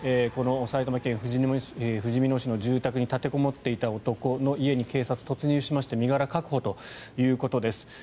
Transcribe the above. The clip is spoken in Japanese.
この埼玉県ふじみ野市の住宅に立てこもっていた男の家に警察、突入しまして身柄確保ということです。